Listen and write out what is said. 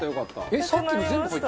えっさっきの全部入った。